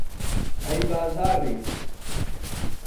ئەی بازاڕی